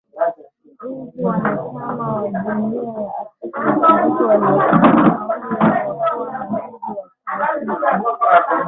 Nchi wanachama wa Jumuiya ya Afrika Mashariki waliwasilisha maombi yao ya kuwa mwenyeji wa taasisi